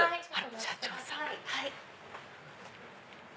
社長さん。